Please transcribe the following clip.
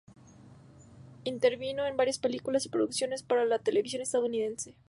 Intervino en varias películas y producciones para la televisión estadounidense.